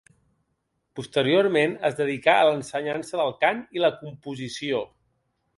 Posteriorment es dedicà a l'ensenyança del cant i la composició.